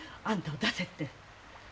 あんたを「出せ」って。